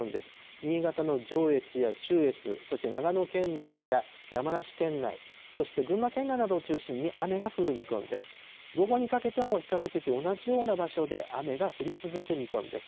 新潟の上越や中越、そして長野県内や山梨県内、そして群馬県内などを中心に雨が降る見込みです。